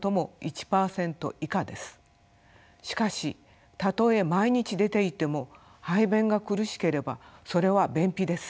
しかしたとえ毎日出ていても排便が苦しければそれは便秘です。